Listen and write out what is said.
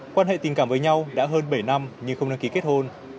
quan hệ tình cảm với nhau đã hơn bảy năm nhưng không đăng ký kết hôn